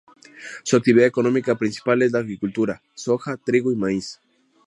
Su actividad económica principal es la agricultura: soja, trigo y maíz.